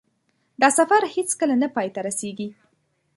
دا سفر هېڅکله نه پای ته رسېږي.